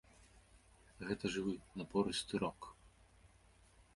Гэта жывы, напорысты рок.